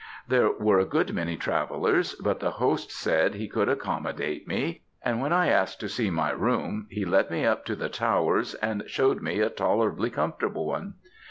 There were a good many travellers, but the host said he could accommodate me; and when I asked to see my room, he led me up to the towers, and showed me a tolerably comfortable one.